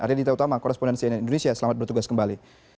arya dita utama korresponden cnn indonesia selamat bertugas kembali